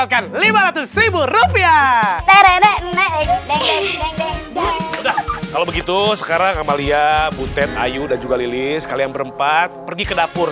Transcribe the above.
kalau begitu sekarang amalia butet ayu dan juga lili sekalian berempat pergi ke dapur